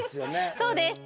そうです。